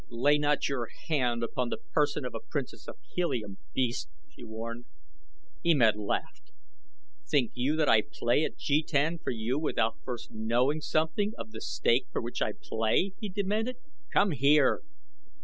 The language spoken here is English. "Lay not your hand upon the person of a princess of Helium, beast!" she warned. E Med laughed. "Think you that I play at jetan for you without first knowing something of the stake for which I play?" he demanded. "Come here!"